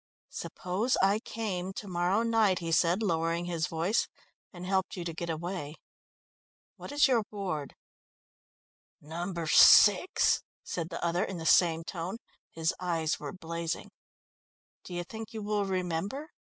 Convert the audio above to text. "Suppose I came to morrow night," he said, lowering his voice, "and helped you to get away? What is your ward?" "No. 6," said the other in the same tone. His eyes were blazing. "Do you think you will remember?"